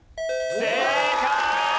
正解！